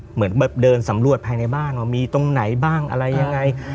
เหมือนแบบเดินสำรวจภายในบ้านว่ามีตรงไหนบ้างอะไรยังไง